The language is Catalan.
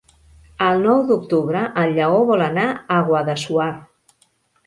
El nou d'octubre en Lleó vol anar a Guadassuar.